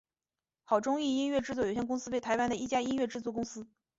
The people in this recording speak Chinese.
好钟意音乐制作有限公司为台湾的一家音乐制作公司。